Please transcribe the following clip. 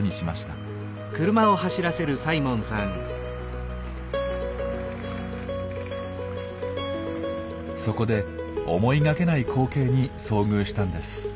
そこで思いがけない光景に遭遇したんです。